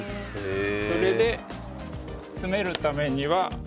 それで詰めるためには。